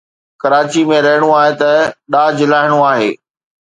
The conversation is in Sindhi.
ڪراچيءَ ۾ رهڻو آهي ۽ ڏاج لاهڻو آهي